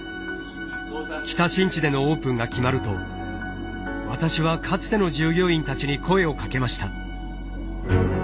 北新地でのオープンが決まると私はかつての従業員たちに声をかけました。